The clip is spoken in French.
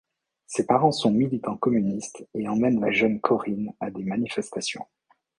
Ses parents sont militants communistes et emmènent la jeune Corinne à des manifestations.